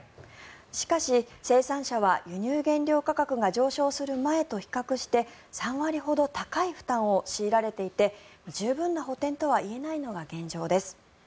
しかし生産者は輸入原料価格が上昇する前と比較して３割ほど高い負担を強いられていて十分な補てんとは言えないのが現状です。